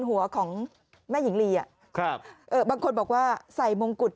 หัวของแม่หญิงลีอ่ะครับเอ่อบางคนบอกว่าใส่มงกุฎ